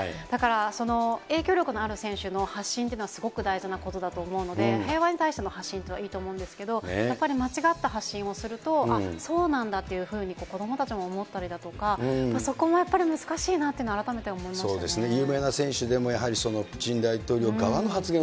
だから影響力のある選手の発信っていうのはすごく大事なことだと思うので、平和に対しての発信というのはいいと思うんですけど、やっぱり間違った発信をすると、ああ、そうなんだというふうに、子どもたちも思ったりだとか、そこもやっぱり難しいなっていうのは改めて思いましたね。